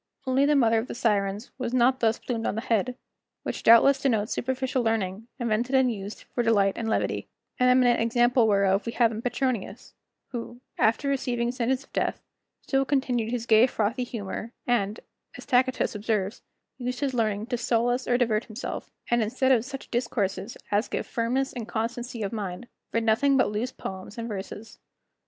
Only the mother of the Sirens was not thus plumed on the head, which doubtless denotes superficial learning, invented and used for delight and levity; an eminent example whereof we have in Petronius, who, after receiving sentence of death, still continued his gay frothy humor, and as Tacitus observes, used his learning to solace or divert himself, and instead of such discourses as give firmness and constancy of mind, read nothing but loose poems and verses.